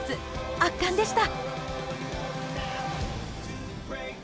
圧巻でした！